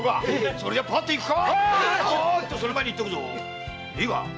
それじゃあパッといくぞ！